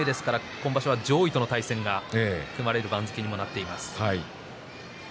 今場所上位との対戦が組まれる番付になっていますね。